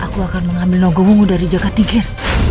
aku akan mengambil nogowungu dari jaga tingkir